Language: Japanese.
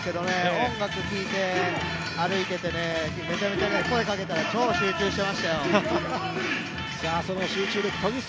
音楽聴いて、歩いててね、めちゃめちゃね、声をかけたら超集中してましたよ。